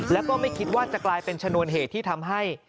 แล้วก็ไม่คิดว่าจะกลายเป็นชนวนเหตุที่ทำให้